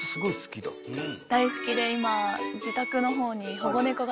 大好きで今自宅の方に。